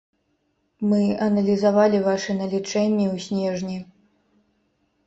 Мы аналізавалі вашы налічэнні ў снежні.